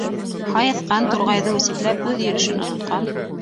Һайыҫҡан, турғайҙы үсекләп, үҙ йөрөшөн онотҡан